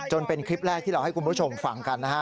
เป็นคลิปแรกที่เราให้คุณผู้ชมฟังกันนะฮะ